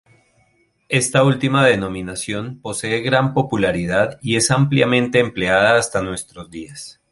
Esta última denominación posee gran popularidad y es ampliamente empleada hasta nuestros días.